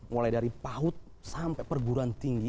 mulai dari paut sampai perguruan tinggi